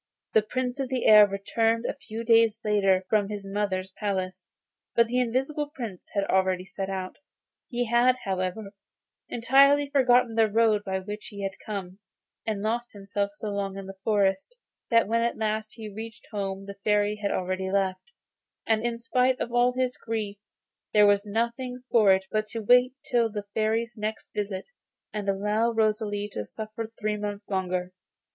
The Prince of the Air returned a few days later from his mother's palace, but the Invisible Prince had already set out. He had, however, entirely forgotten the road by which he had come, and lost himself for so long in the forest, that when at last he reached home the Fairy had already left, and, in spite of all his grief, there was nothing for it but to wait till the Fairy's next visit, and allow Rosalie to suffer three months longer.